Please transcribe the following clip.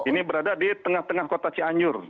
ini berada di tengah tengah kota cianjur